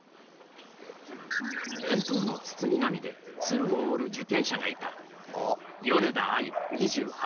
弁当の包み紙で鶴を折る受験者がいた。